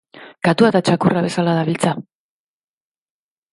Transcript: Katua eta txakurra bezala dabiltza.